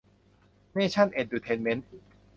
เนชั่น เอ็ดดูเทนเมนท์